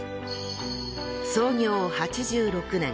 創業８６年。